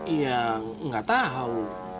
iya gak tahu